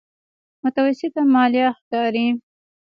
متوسطه ماليه ښکاري.